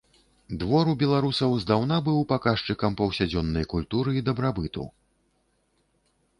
Двор у беларусаў здаўна быў паказчыкам паўсядзённай культуры і дабрабыту.